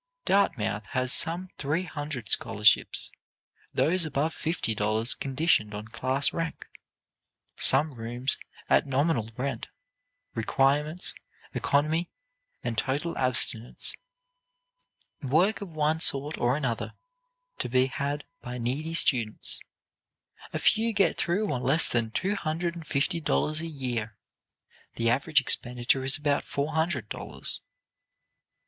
Dartmouth has some three hundred scholarships; those above fifty dollars conditioned on class rank; some rooms at nominal rent; requirements, economy and total abstinence; work of one sort or another to be had by needy students; a few get through on less than two hundred and fifty dollars a year; the average expenditure is about four hundred dollars.